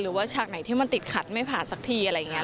ฉากไหนที่มันติดขัดไม่ผ่านสักทีอะไรอย่างนี้